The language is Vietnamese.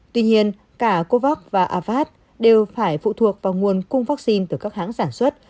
tuy nhiên cả covax và avad đều phải phụ thuộc vào nguồn cung vaccine từ các hãng sản xuất